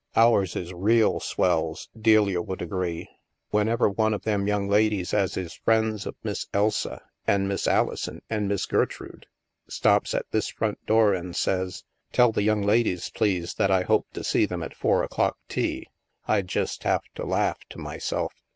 "Ours is real swells," Delia would agree. " Whenever one of them young ladies as is friends of Miss Elsa, an' Miss Alison, an' Miss Gertrude, stops at this front door an' says, * Tell the young ladies, please, that I hope to see them at four o'clock tea,' I jest have to laff to myself.